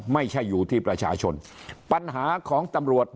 ไม่ใช่อยู่ที่ประชาชนปัญหาของตำรวจ